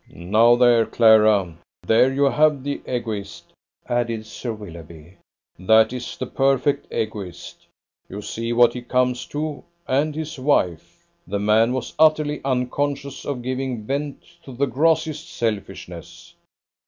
"Now, there, Clara, there you have the Egoist," added Sir Willoughby. "That is the perfect Egoist. You see what he comes to and his wife! The man was utterly unconscious of giving vent to the grossest selfishness."